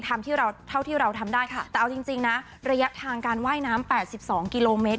ที่เราเท่าที่เราทำได้ค่ะแต่เอาจริงนะระยะทางการว่ายน้ำ๘๒กิโลเมตร